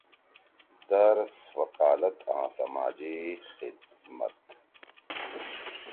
درس، وکالت آں سماجی خدمات: